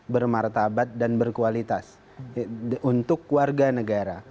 bermartabat dan berkualitas untuk warga negara